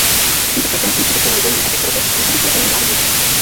Tímto krokem institucionalizujeme neefektivitu a neexistuje pro něj žádný důvod.